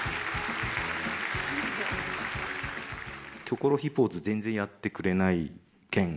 『キョコロヒー』ポーズ全然やってくれない件。